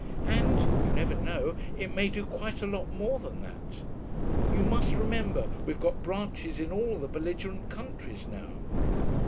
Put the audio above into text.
And you never know it may do quite a lot more than that. You must remember we've got branches in all the belligerent countries now.